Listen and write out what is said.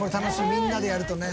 みんなでやるとね。